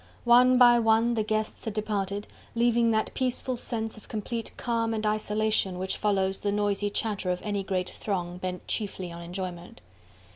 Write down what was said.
One by one the guests had departed, leaving that peaceful sense of complete calm and isolation which follows the noisy chatter of any great throng bent chiefly on enjoyment.